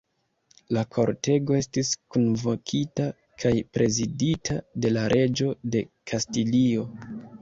La kortego estis kunvokita kaj prezidita de la reĝo de Kastilio.